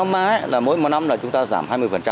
mỗi năm chúng ta giảm hai mươi